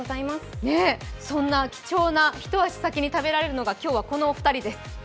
そんな貴重な一足先に食べられるのがこちらの２人です。